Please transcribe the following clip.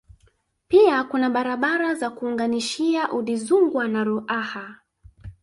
Pia kuna barabara za kuunganishia Udizungwa na Ruaha